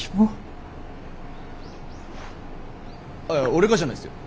いや俺がじゃないっすよ。